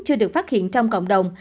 chưa được phát hiện trong cộng đồng